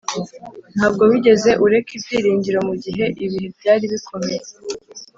ntabwo wigeze ureka ibyiringiro mugihe ibihe byari bikomeye.